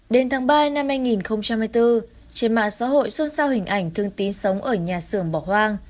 đến tháng ba năm hai nghìn một mươi bốn trên mạng xã hội xuân sao hình ảnh thường tín sống ở nhà sườn bỏ hoang